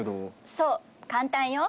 そう簡単よ。